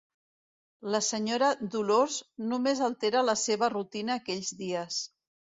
La senyora Dolors només altera la seva rutina aquells dies.